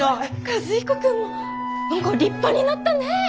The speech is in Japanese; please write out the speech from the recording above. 和彦君も何か立派になったね！